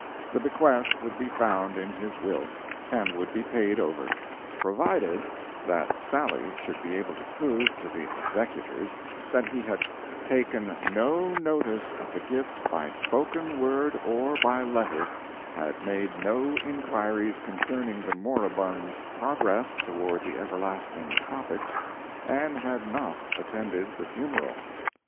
The bequest would be found in his will, and would be paid over. PROVIDED, that Sally should be able to prove to the executors that he had _Taken no notice of the gift by spoken word or by letter, had made no inquiries concerning the moribund's progress toward the everlasting tropics, and had not attended the funeral.